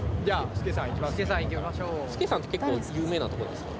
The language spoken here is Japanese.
スケさんって結構有名なとこなんですか？